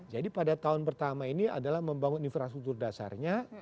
jadi pada tahun pertama ini adalah membangun infrastruktur dasarnya